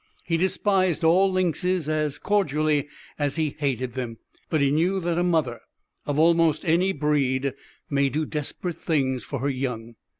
He despised all lynxes as cordially as he hated them; but he knew that a mother, of almost any breed, may do desperate things for her young.